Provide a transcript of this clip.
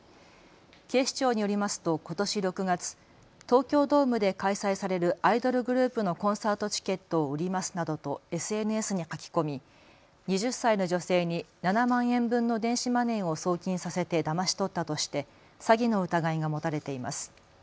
警視庁によりますとことし６月、東京ドームで開催されるアイドルグループのコンサートチケットを売りますなどとＳＮＳに書き込み２０歳の女性に７万円分の電子マネーを送金させてだまし取ったとして詐欺の疑いが持たれています。